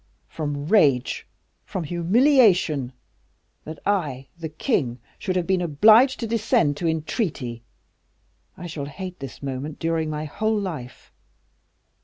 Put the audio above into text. "From rage, from humiliation. That I, the king, should have been obliged to descend to entreaty. I shall hate this moment during my whole life.